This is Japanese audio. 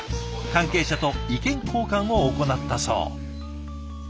関係者と意見交換を行ったそう。